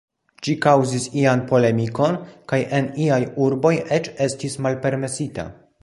Ĝi kaŭzis ian polemikon kaj en iaj urbo eĉ estis malpermesita.